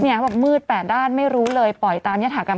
เขาบอกมืดแปดด้านไม่รู้เลยปล่อยตามยฐากรรม